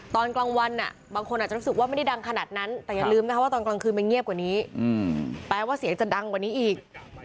ตอนกลางวันบางคนอาจจะรู้สึกว่าไม่ได้ดังขนาดนั้นแต่อย่าลืมนะคะว่าตอนกลางคืนมันเงียบกว่านี้แปลว่าเสียงจะดังกว่านี้อีก